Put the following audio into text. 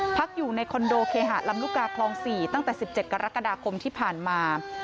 พักอยู่ในคอนโดเคหะลำลูกกาคลอง๔ตั้งแต่๑๗กรกฎาคมที่ผ่านมา